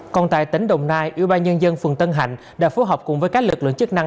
còn tại tỉnh đồng nai ủy ban nhân dân phường tân hạnh đã phối hợp cùng với các lực lượng chức năng